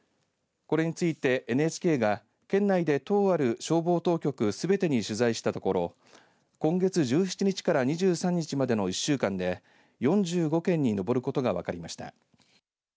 これについてＮＨＫが県内で１０ある消防当局すべてに取材したところ今月１７日から２３日までの１週間で４５件に上ることが分かりました。